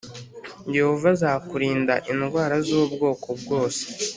Yehova azakurinda indwara z’ubwoko bwose;